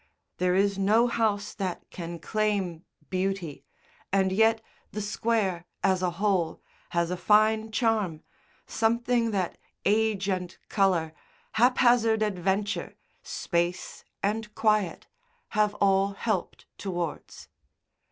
There is no house that can claim beauty, and yet the Square, as a whole, has a fine charm, something that age and colour, haphazard adventure, space and quiet have all helped towards.